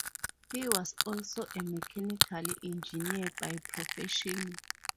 He was also a mechanical engineer by profession.